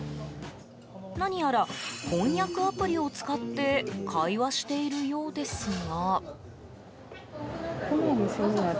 何やら翻訳アプリを使って会話しているようですが。